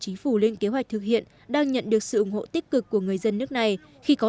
chính phủ lên kế hoạch thực hiện đang nhận được sự ủng hộ tích cực của người dân nước này khi có